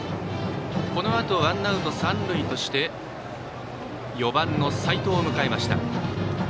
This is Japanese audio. このあとワンアウト三塁として４番の齋藤を迎えました。